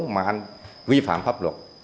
mà anh vi phạm pháp luật